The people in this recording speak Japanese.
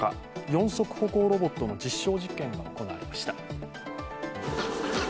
四足歩行ロボットの実証実験が行われました。